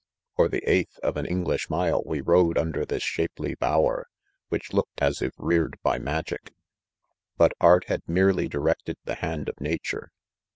''! For the' eighth of an English 'mile we rode inider this shapely bower, which looked as if .^ reared by magic|. But art had merely direct ed the hand' of nature.